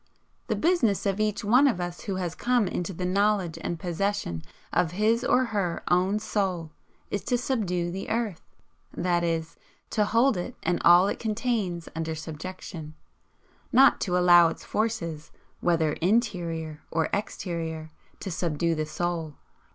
The business of each one of us who has come into the knowledge and possession of his or her own Soul, is to 'subdue' the earth, that is, to hold it and all it contains under subjection, not to allow Its forces, whether interior or exterior, to subdue the Soul.